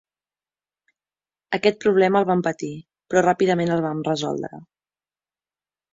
Aquest problema el vam patir, però ràpidament el vam resoldre.